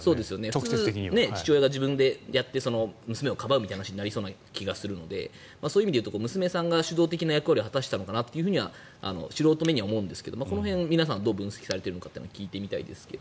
直接、父親が自分でやって娘をかばうみたいな話になりそうな気がするのでそういう意味で言うと娘さんが主導的な役割を果たしたのかなと素人目には思うんですけどこの辺は皆さんどう分析しているか聞いてみたいですけど。